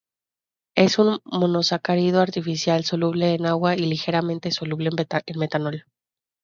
Es un monosacárido artificial, soluble en agua y ligeramente soluble en metanol.